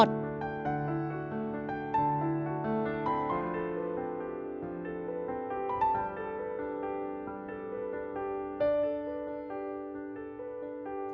họ thường thấy nhiều